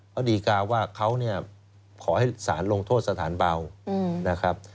เขาดีกาว่าเขาเนี่ยขอให้สารลงโทษสถานเบานะครับ